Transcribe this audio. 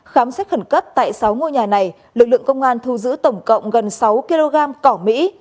khám xét khẩn cấp tại sáu ngôi nhà này lực lượng công an thu giữ tổng cộng gần sáu kg cỏ mỹ